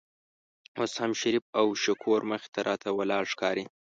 اوس هم شریف او شکور مخې ته راته ولاړ ښکاري.